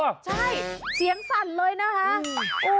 ใช่เสียงสั่นเลยนะคะ